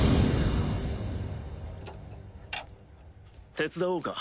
手伝おうか？